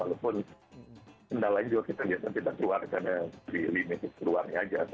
walaupun kendalanya juga kita tidak keluar karena limitnya keluarnya aja